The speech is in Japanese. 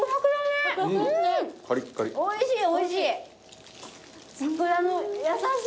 おいしい。